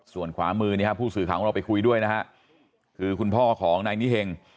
ส่วนขวามือนี่ฮะผู้สื่อข่าวของเราไปคุยด้วยนะฮะคือคุณพ่อของนายนิเฮง